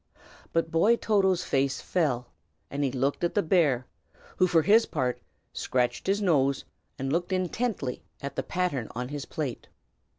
But boy Toto's face fell, and he looked at the bear, who, for his part, scratched his nose and looked intently at the pattern on his plate.